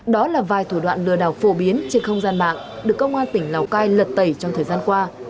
đó là vài thủ đoạn lừa đảo phổ biến trên không gian mạng được công an tỉnh lào cai lật tẩy trong thời gian qua